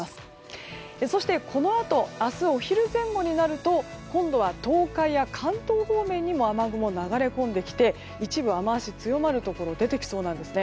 そして、このあと明日お昼前後になると今度は東海や関東方面にも雨雲が流れ込んできて一部、雨脚が強まるところが出てきそうです。